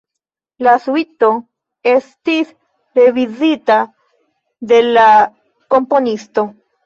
La suito estis reviziita de la komponisto.